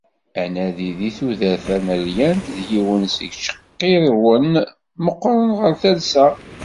Anadi deg tudert tanalyant, d yiwen seg icqirrwen meqqren ɣur talsa.